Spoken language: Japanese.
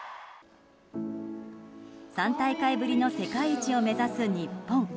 ３大会ぶりの世界一を目指す日本。